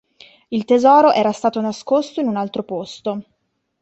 Il tesoro era stato nascosto in un altro posto.